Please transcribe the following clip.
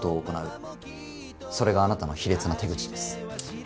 それがあなたの卑劣な手口です。